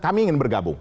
kami ingin bergabung